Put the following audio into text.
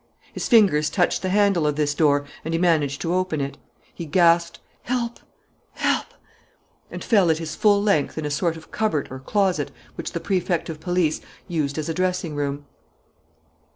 His fingers touched the handle of this door and he managed to open it. He gasped, "Help! Help!" and fell at his full length in a sort of cupboard or closet which the Prefect of Police used as a dressing room.